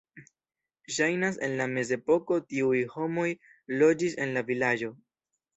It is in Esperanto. Ŝajnas, en la mezepoko tiuj homoj loĝis en la vilaĝo.